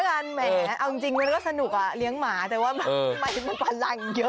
แล้วนี่นอนตื่นสายพ่อบอกแรมโบไปปลูกแม่เลย